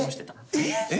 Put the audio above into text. えっ！